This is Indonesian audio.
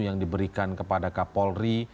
yang diberikan kepada kapolri